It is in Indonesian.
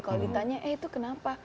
kalau ditanya eh itu kenapa